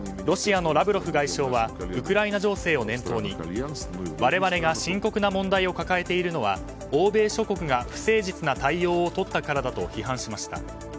ロシアのラブロフ外相はウクライナ情勢を念頭に我々が深刻な問題を抱えているのは、欧米諸国が不誠実な対応を取ったからだと批判しました。